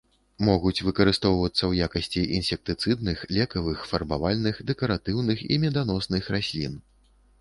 Могуць выкарыстоўвацца ў якасці інсектыцыдных, лекавых, фарбавальных, дэкаратыўных і меданосных раслін.